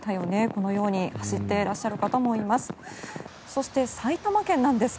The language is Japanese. このように走っていらっしゃる方もいます。